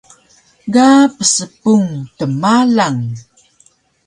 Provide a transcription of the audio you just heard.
Ga pspung tmalang